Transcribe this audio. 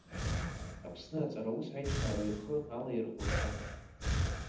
Аԥсны аҵараус аиҿкаара ихы алаирхәырц акәын.